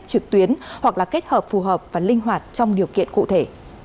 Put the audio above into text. trực tuyến hoặc là kết hợp phù hợp và linh hoạt trong điều kiện cụ thể